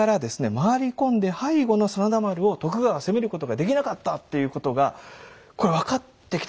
回り込んで背後の真田丸を徳川は攻めることができなかったっていうことがこれ分かってきた。